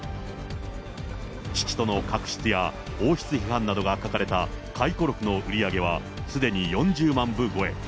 父との確執や王室批判などが書かれた回顧録の売り上げは、すでに４０万部超え。